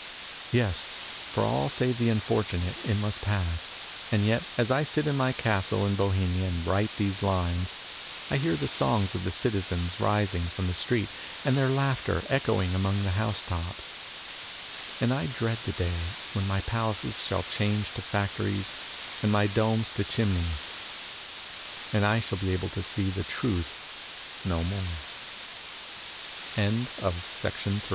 Yes, for all save the unfortunate it must pass ; and yet as I sit in my castle in Bohemia and write these lines I hear the songs of the citizens rising from the street and their laughter echoing among the house tops, and I dread the day when my palaces shall change to factories and my domes to chimneys and I shall b